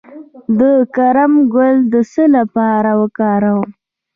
د کرم ګل د څه لپاره وکاروم؟